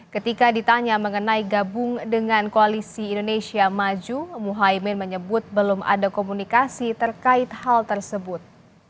ketika ditanya mengenai gabung dengan koalisi indonesia maju muhaymin menyebut belum ada komunikasi terkait hal tersebut